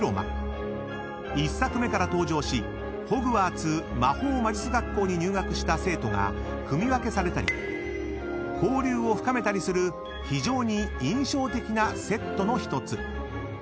［１作目から登場しホグワーツ魔法魔術学校に入学した生徒が組分けされたり交流を深めたりする非常に印象的なセットの１つ］